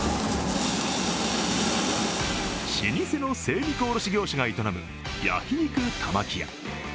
老舗の精肉卸業者が営む焼肉たまき家。